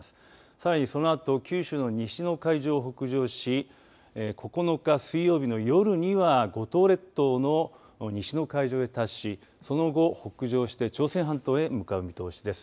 さらにそのあと九州の西の海上を北上し９日水曜日の夜には五島列島の西の海上に達しその後、北上して朝鮮半島へ向かう見通しです。